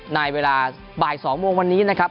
ในเวลาบ่าย๒โมงวันนี้นะครับ